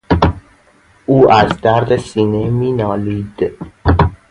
او از درد سینه مینالید.